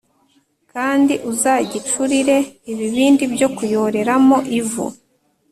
Kandi uzagicurire ibibindi byo kuyoreramo ivu